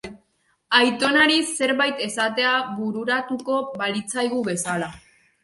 Aitonari zerbait esatea bururatuko balitzaigu bezala.